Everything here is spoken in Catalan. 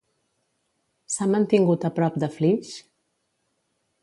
S'ha mantingut a prop de Flix?